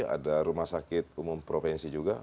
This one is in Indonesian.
ada rumah sakit umum provinsi juga